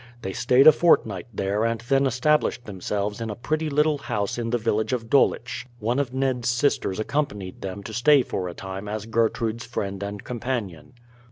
They stayed a fortnight there and then established themselves in a pretty little house in the village of Dulwich. One of Ned's sisters accompanied them to stay for a time as Gertrude's friend and companion.